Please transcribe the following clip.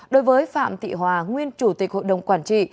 đối với phạm thị hòa nguyên chủ tịch hội đồng quản trị